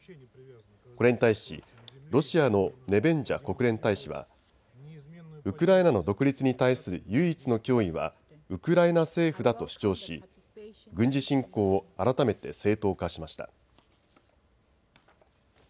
これに対しロシアのネベンジャ国連大使はウクライナの独立に対する唯一の脅威はウクライナ政府だと主張し軍事侵攻を改めて正当化しました。